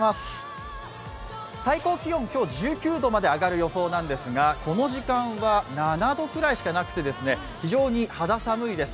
最高気温、今日１９度まで上がる予想なんですが、この時間は７度くらいしかなくて、非常に肌寒いです。